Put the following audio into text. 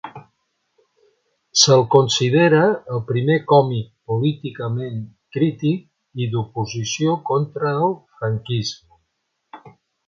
Se'l considera el primer còmic políticament crític i d'oposició contra el franquisme.